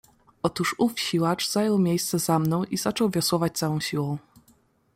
"Otóż ów siłacz zajął miejsce za mną i zaczął wiosłować całą siłą."